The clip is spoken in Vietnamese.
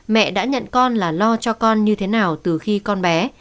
mẹ đã nhận con là lo cho con như thế nào từ khi con bé